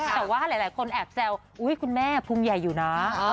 แต่ว่าหลายคนแอบแซวอุ๊ยคุณแม่พุงใหญ่อยู่นะ